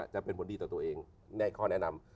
จะเป็นผลดีต่อตัวเองในข้อแนะนำ